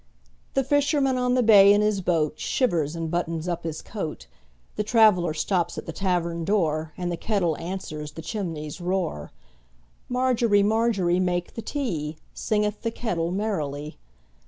The fisherman on the bay in his boatShivers and buttons up his coat; The traveller stops at the tavern door, And the kettle answers the chimney's roar. Margery, Margery, make the tea, Singeth the kettle merrily.